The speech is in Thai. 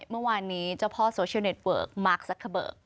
เมื่อวานนี้เจ้าพ่อโซเชียลเน็ตเวิร์กมาร์คซักเกอร์เบิก